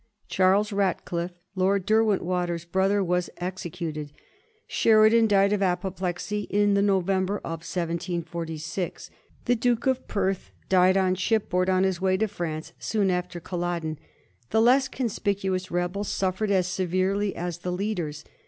Charles Ratcliffe, Lord Derwentwater's brother, was executed. Sheridan died of apoplexy in the November of 1746. The Duke of Perth died on ship board, on his way to France, soon after Culloden. The less conspicuous rebels suffered as severely as the leaders.